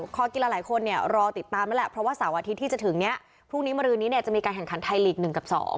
คอกีฬาหลายคนเนี่ยรอติดตามนั่นแหละเพราะว่าเสาร์อาทิตย์ที่จะถึงนี้พรุ่งนี้มารือนี้เนี่ยจะมีการแข่งขันไทยลีก๑กับ๒